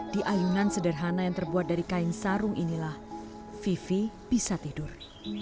di ayunan sederhana yang terbuat dari kain sarung inilah vivi bisa tidur